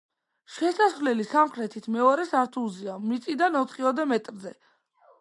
შესასვლელი სამხრეთით, მეორე სართულზეა, მიწიდან ოთხიოდე მეტრზე.